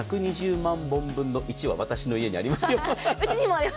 １２０万本分の１は私の家にあります。